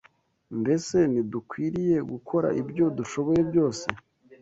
Mbese ntidukwiriye gukora ibyo dushoboye byose